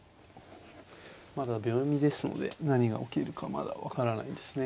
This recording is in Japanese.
秒読みですので何が起きるかまだ分からないですね。